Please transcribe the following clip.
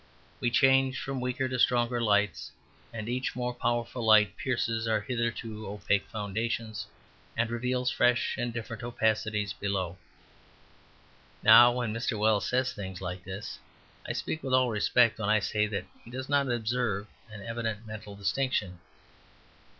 We change from weaker to stronger lights, and each more powerful light pierces our hitherto opaque foundations and reveals fresh and different opacities below." Now, when Mr. Wells says things like this, I speak with all respect when I say that he does not observe an evident mental distinction.